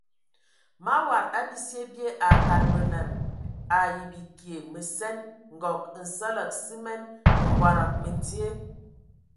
Mawad a bisye bye a kad bələna ai bikie məsen, ngɔg, nsələg simen, mbɔdɔgɔ məndie.